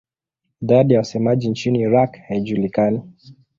Idadi ya wasemaji nchini Iraq haijulikani.